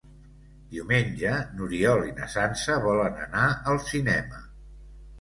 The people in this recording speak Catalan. Diumenge n'Oriol i na Sança volen anar al cinema.